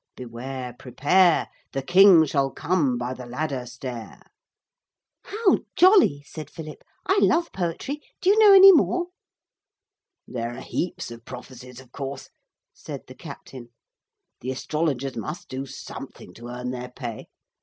Beware, prepare, The king shall come by the ladder stair. 'How jolly,' said Philip; 'I love poetry. Do you know any more?' 'There are heaps of prophecies of course,' said the captain; 'the astrologers must do something to earn their pay.